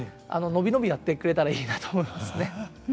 伸び伸びやってくれたらいいなと思いますね。